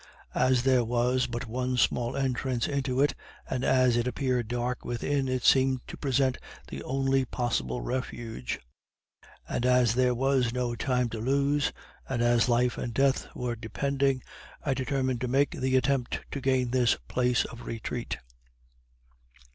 As there was but one small entrance into it, and as it appeared dark within, it seemed to present the only possible refuge; and as there was no time to lose, and as life and death were depending, I determined to make the attempt to gain this place of retreat.